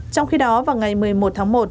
trong khi đó vào ngày một mươi một tháng một